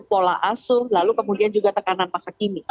pola asuh lalu kemudian juga tekanan masa kini